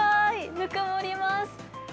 ぬくもります。